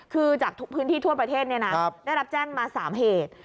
คือจากพื้นที่ทั่วประเทศได้รับแจ้งมา๓เหตุ